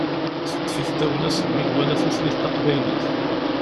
Teṭṭef-it tawla seg asmi i iwala tutlayt taqbaylit.